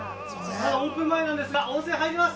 オープン前なんですが温泉入ります。